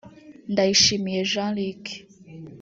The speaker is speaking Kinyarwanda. Ndayishimiye Jean Luc